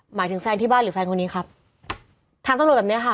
หมายถึงแฟนที่บ้านหรือแฟนคนนี้ครับทางตำรวจแบบเนี้ยค่ะ